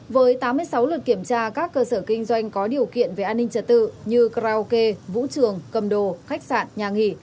với tám mươi sáu lượt kiểm tra các cơ sở kinh doanh có điều kiện về an ninh trật tự như karaoke vũ trường cầm đồ khách sạn nhà nghỉ